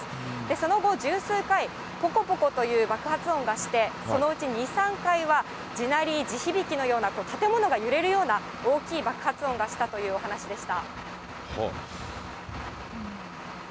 その後、十数回、ぽこぽこという爆発音がして、そのうち２、３回は地鳴り、地響きのような、建物が揺れるような大きい爆発音がしたというお話でした。